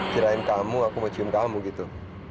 kirain kamu aku mau cium kamu gitu